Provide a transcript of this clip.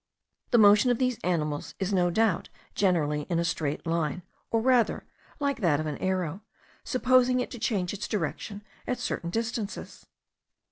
The motion of these animals is no doubt generally in a straight line, or rather like that of an arrow, supposing it to change its direction at certain distances.